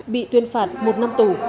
bị tuyên phạt một năm tủ